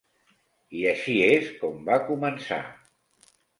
I així és com va començar.